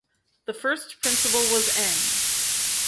The first principal was En.